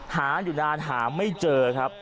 หาอยู่นานหาไม่เจอครับ